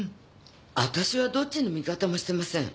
私はどっちの味方もしてません！